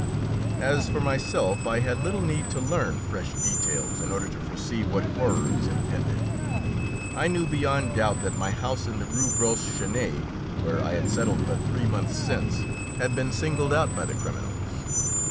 As for myself, I had little need to learn fresh details in order to foresee what horrors impended. I knew beyond doubt that my house in the Rue Gros Chenet, where I had settled but three months since, had been singled out by the criminals.